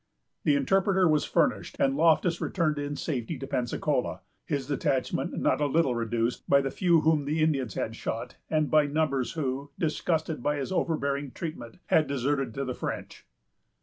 The interpreter was furnished; and Loftus returned in safety to Pensacola, his detachment not a little reduced by the few whom the Indians had shot, and by numbers who, disgusted by his overbearing treatment, had deserted to the French.